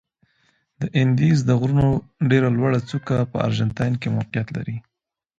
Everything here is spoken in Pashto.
د اندیز د غرونو ډېره لوړه څوکه په ارجنتاین کې موقعیت لري.